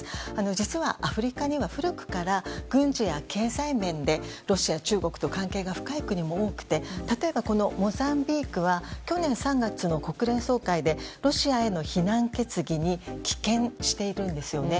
実は、アフリカには古くから軍事や経済面でロシア、中国と関係が深い国も多くて例えばモザンビークは去年３月の国連総会でロシアへの非難決議に棄権しているんですよね。